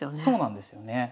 そうなんですよね。